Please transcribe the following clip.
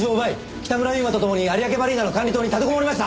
北村悠馬とともに有明マリーナの管理棟に立てこもりました！